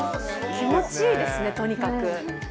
気持ちいいですね、とにかく。